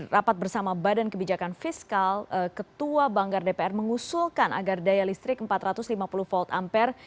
rapat bersama badan kebijakan fiskal ketua banggar dpr mengusulkan agar daya listrik empat ratus lima puluh volt ampere